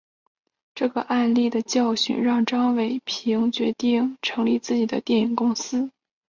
这个案例的教训让张伟平决定成立自己的电影公司。